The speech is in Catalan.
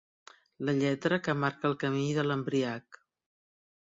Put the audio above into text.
La lletra que marca el camí de l'embriac.